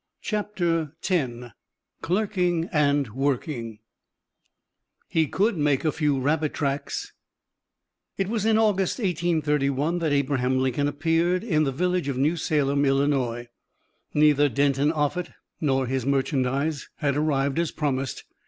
CHAPTER X CLERKING AND WORKING HE COULD "MAKE A FEW RABBIT TRACKS" It was in August, 1831, that Abraham Lincoln appeared in the village of New Salem, Illinois. Neither Denton Offutt nor his merchandise had arrived as promised.